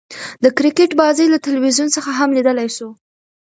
د کرکټ بازۍ له تلویزیون څخه هم ليدلاى سو.